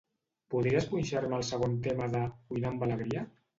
Podries punxar-me el segon tema de "Cuinar amb alegria"?